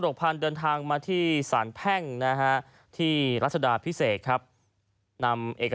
อ๋อหมายถึงว่าวันจันทร์นี้พี่จะกลับไปถอนให้ท่าน